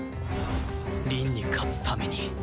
凛に勝つために